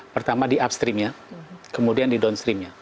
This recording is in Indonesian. pertama di upstreamnya kemudian di downstreamnya